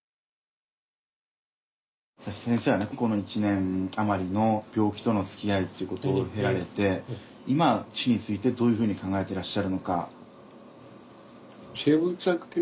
先生はこの１年余りの病気とのつきあいっていうことを経られて今死についてどういうふうに考えてらっしゃるのか。